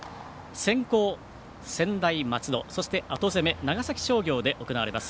先攻、専大松戸そして、後攻長崎商業で行われます。